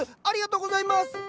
ありがとうございます！